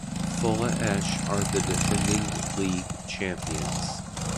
Fola Esch are the defending league champions.